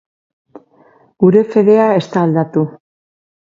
Gure fedea ez da aldatu.